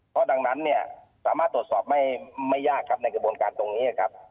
เพราะดังนั้นเนี่ยสามารถตรวจสอบไม่ยากครับในกระบวนการตรงนี้นะครับ